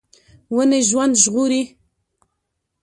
ونې ژوند ژغوري.